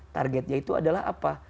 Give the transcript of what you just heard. targetnya itu adalah apa